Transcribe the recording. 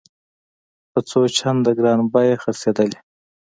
په څو چنده ګرانه بیه خرڅېدلې.